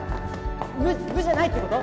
無じゃないってこと？